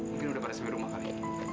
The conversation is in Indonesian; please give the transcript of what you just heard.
mungkin udah pada sampai rumah kali